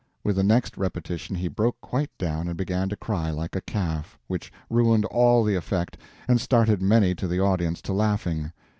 With the next repetition he broke quite down and began to cry like a calf, which ruined all the effect and started many to the audience to laughing.